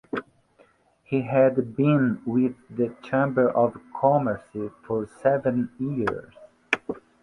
He had been with the Chamber of Commerce for seven years.